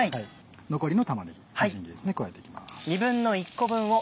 残りの玉ねぎみじん切りですね加えていきます。